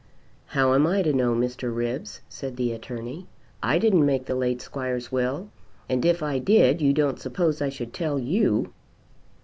"How am I to know, Mr. Ribbs?" said the Attorney. "I didn't make the late squire's will; and if I did you don't suppose I should tell you."